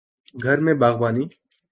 گھر میں باغبانی